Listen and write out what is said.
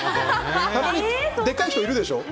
たまにでかい人いるでしょ。